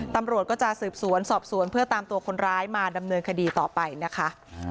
ตำรวจก็จะสืบสวนสอบสวนเพื่อตามตัวคนร้ายมาดำเนินคดีต่อไปนะคะ